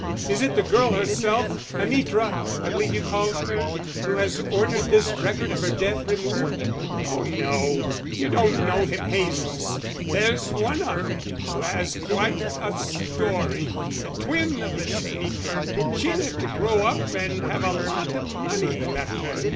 "Is it the girl herself, Anitra, I believe you called her, who has ordered this record of her death removed?" "Oh, no, you don't know them Hazens. There's one of 'em who has quite a story; the twin of this Anitra. She lived to grow up and have a lot of money left her.